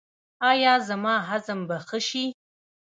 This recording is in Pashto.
ایا زما هضم به ښه شي؟